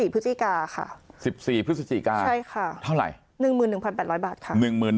พฤศจิกาค่ะ๑๔พฤศจิกาใช่ค่ะเท่าไหร่๑๑๘๐๐บาทค่ะ